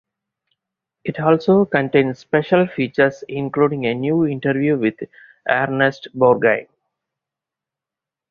It also contains special features including a new interview with Ernest Borgnine.